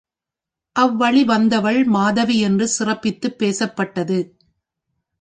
அவ்வழி வந்தவள் மாதவி என்று சிறப்பித்துப் பேசப்பட்டது.